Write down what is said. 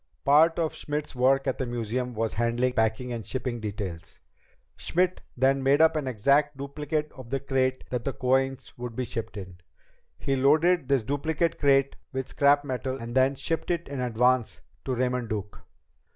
Part of Schmidt's work at the museum was handling packing and shipping details. Schmidt then made up an exact duplicate of the crate that the coins would be shipped in. He loaded this duplicate crate with scrap metal and shipped it in advance to Raymond Duke.